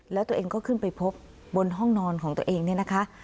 แล้วตัวเองก็ขึ้นไปพบบนห้องนอนของตัวเองเนี่ยนะคะ